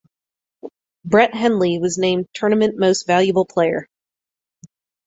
Brett Hendley was named Tournament Most Valuable Player.